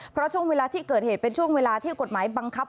เพราะช่วงเวลาที่เกิดเหตุเป็นช่วงเวลาที่กฎหมายบังคับ